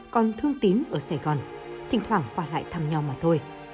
còn thương tín ở sài gòn thỉnh thoảng quả lại thăm nhau mà thôi